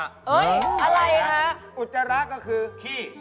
อะไรฮะอุจจาระก็คือขี้